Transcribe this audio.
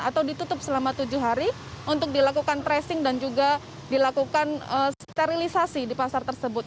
atau ditutup selama tujuh hari untuk dilakukan tracing dan juga dilakukan sterilisasi di pasar tersebut